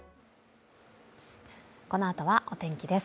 このあとはお天気です。